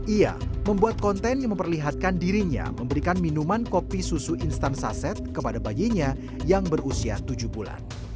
ia membuat konten yang memperlihatkan dirinya memberikan minuman kopi susu instan saset kepada bayinya yang berusia tujuh bulan